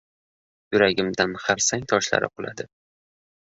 Yuragimdan harsang toshlar quladi.